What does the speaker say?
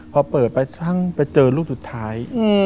พอเปิดไปทั้งไปเจอรูปสุดท้าย